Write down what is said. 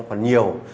nó còn nhiều